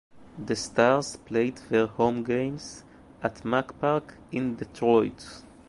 The Stars played their home games at Mack Park in Detroit.